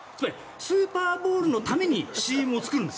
スーパーボウルのためにＣＭを作るんです。